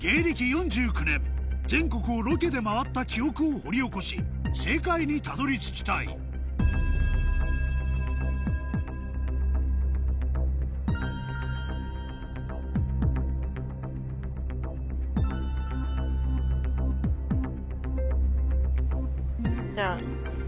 ４９年全国をロケで回った記憶を掘り起こし正解にたどり着きたいじゃあ。